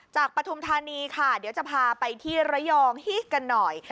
ปฐุมธานีค่ะเดี๋ยวจะพาไปที่ระยองฮิตกันหน่อย